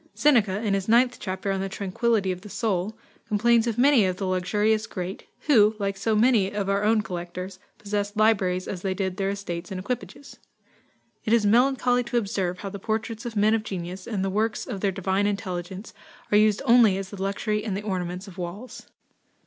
Seneca, in his ninth chapter on the Tranquillity of the Soul, complains of many of the luxurious great, who, like so many of our own collectors, possessed libraries as they did their estates and equipages. "It is melancholy to observe how the portraits of men of genius, and the works of their divine intelligence, are used only as the luxury and the ornaments of walls."